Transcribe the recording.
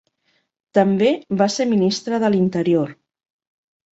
També va ser ministre de l'Interior.